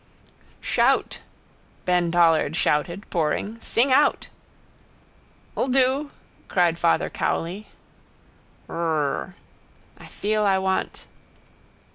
—Shout! Ben Dollard shouted, pouring. Sing out! —'lldo! cried Father Cowley. Rrrrrr. I feel I want...